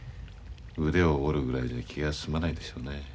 腕を折るぐらいでは気が済まないでしょうね。